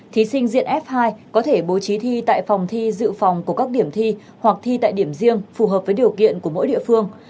thí sinh diện f hai có thể bố trí thi tại phòng thi dự phòng của các điểm thi hoặc thi tại điểm riêng phù hợp với điều kiện của mỗi địa phương